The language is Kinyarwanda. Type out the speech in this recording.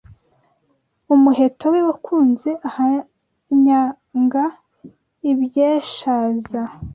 Umuheto we wakunze Ahanyanga ibyeshaza